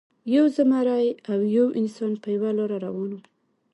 یو زمری او یو انسان په یوه لاره روان وو.